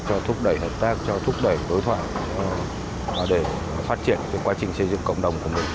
cho thúc đẩy hợp tác cho thúc đẩy đối thoại để phát triển cái quá trình xây dựng cộng đồng của mình